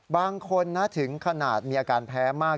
บางคนถึงขนาดมีอาการแพ้มาก